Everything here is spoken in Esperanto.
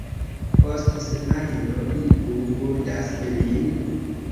Post semajno iu murdas lin.